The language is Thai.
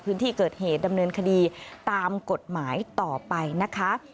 พื้นที่เกิดเหตุดำเนินคดีตามกฎหมายต่อไปนะคะ